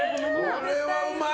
これはうまい！